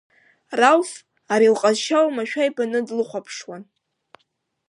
Рауф ари лҟазшьа омашәа ибаны длыхәаԥшуан.